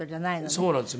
そうなんですよ